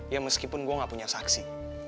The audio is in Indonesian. ya meskipun gue gak punya saksi